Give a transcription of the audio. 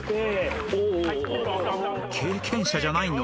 ［経験者じゃないの？］